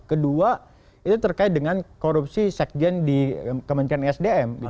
kedua itu terkait dengan korupsi sekjen di kementerian esdm